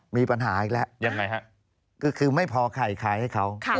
มีปัญหาอีกแล้วคือไม่พอไข่ขายให้เขายังไงฮะ